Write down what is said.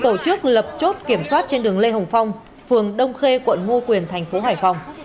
tổ chức lập chốt kiểm soát trên đường lê hồng phong phường đông khê quận ngo quyền thành phố hải phòng